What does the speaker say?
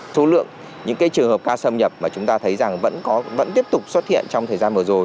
số lượng những trường hợp ca xâm nhập mà chúng ta thấy rằng vẫn tiếp tục xuất hiện trong thời gian vừa rồi